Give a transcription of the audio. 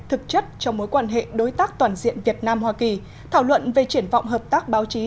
thực chất trong mối quan hệ đối tác toàn diện việt nam hoa kỳ thảo luận về triển vọng hợp tác báo chí